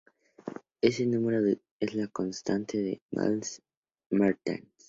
Ese número es la constante de Meissel-Mertens.